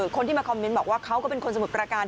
คนที่มาคอมเมนต์บอกว่าเขาก็เป็นคนสมุทรประการ